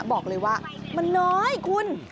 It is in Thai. บอกเลยว่ามันน้อยคุณ